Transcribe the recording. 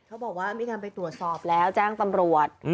เขาบอกว่ามีการไปตรวจสอบแล้วแจ้งตำรวจ